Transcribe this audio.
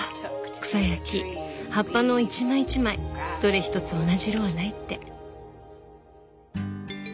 草や木葉っぱの一枚一枚どれ一つ同じ色はないって。